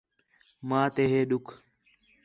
ماں تے ہِے ݙُکھ